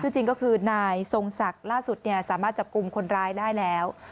จริงก็คือนายทรงศักดิ์ล่าสุดสามารถจับกลุ่มคนร้ายได้แล้ว